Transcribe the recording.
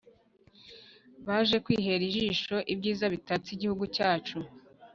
baje kwihera ijisho ibyiza bitatse igihugu cyacu